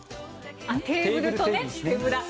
テーブルとね、手ぶら。